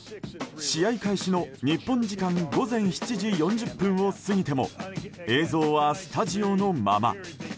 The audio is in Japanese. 試合開始の日本時間午前７時４０分を過ぎても映像はスタジオのまま。